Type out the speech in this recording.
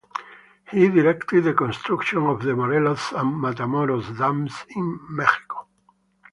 He directed the construction of the Morelos and Matamoros dams in Mexico.